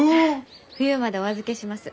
冬までお預けします。